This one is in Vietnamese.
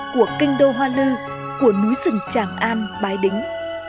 của kinh đô hoa lư của núi rừng tràng an bái đính